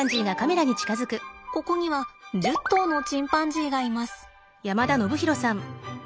ここには１０頭のチンパンジーがいます。